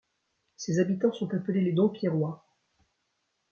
Ses habitants sont appelés les Dompierrois.